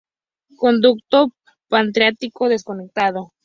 Conducto pancreático desconectado.